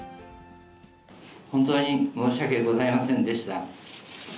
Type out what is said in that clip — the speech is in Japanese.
本当に申し訳ございませんでした。